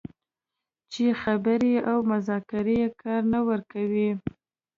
چې خبرې او مذاکرې کار نه ورکوي